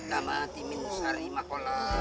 saya permisi ya ratu